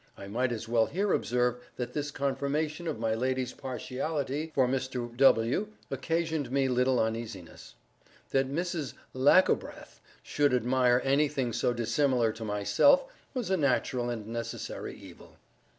I might as well here observe that this confirmation of my lady's partiality for Mr. W. occasioned me little uneasiness. That Mrs. Lackobreath should admire anything so dissimilar to myself was a natural and necessary evil.